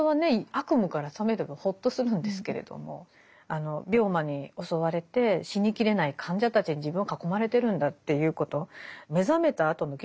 悪夢から覚めればほっとするんですけれども病魔に襲われて死にきれない患者たちに自分は囲まれてるんだっていうこと。